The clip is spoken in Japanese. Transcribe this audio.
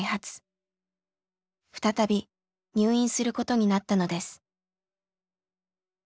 再び入院することになったのです。